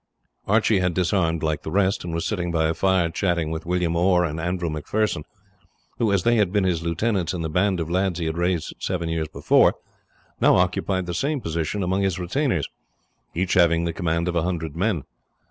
He had disarmed like the rest, and was sitting by a fire chatting with William Orr and Andrew Macpherson, who, as they had been his lieutenants in the band of lads he had raised seven years before, now occupied the same position among his retainers, each having the command of a hundred men.